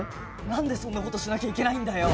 なんでそんな事しなきゃいけないんだよ！